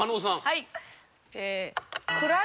はい。